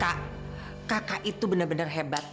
kakak kakak itu benar benar hebat